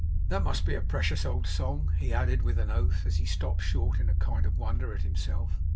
That must be a precious old song,' he added with an oath, as he stopped short in a kind of wonder at himself.